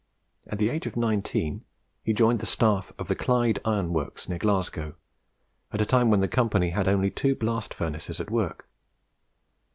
At the age of nineteen he joined the staff of the Clyde Iron Works, near Glasgow, at a time when the Company had only two blast furnaces at work.